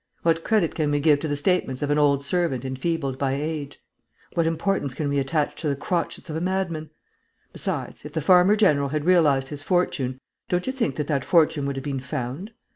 What credit can we give to the statements of an old servant enfeebled by age? What importance can we attach to the crotchets of a madman? Besides, if the farmer general had realized his fortune, don't you think that that fortune would have been found?